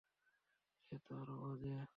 সে তো আরো বাজে!